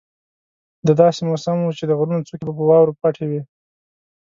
دا داسې موسم وو چې د غرونو څوکې په واورو پټې وې.